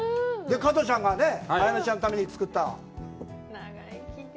加トちゃんが綾菜ちゃんのために作った。